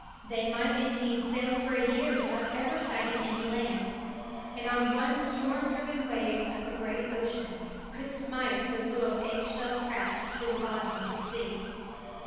They might, indeed, sail for a year without ever sighting any land; and one storm driven wave of the great ocean could smite their little egg shell craft to the bottom of the sea.